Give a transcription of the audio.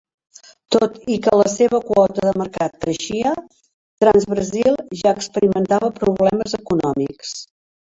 Tot i que la seva quota de mercat creixia, Transbrasil ja experimentava problemes econòmics.